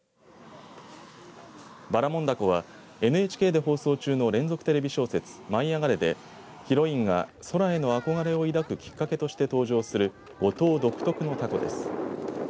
ばらもん凧はＮＨＫで放送中の連続テレビ小説舞い上がれ！でヒロインが空への憧れを抱くきっかけとして登場する五島独特のたこです。